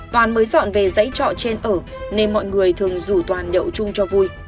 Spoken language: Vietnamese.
toàn mới dọn về giấy trọ trên ở nên mọi người thường rủ toàn nhậu chung cho vui